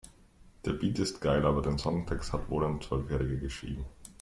Der Beat ist geil, aber den Songtext hat wohl ein Zwölfjähriger geschrieben.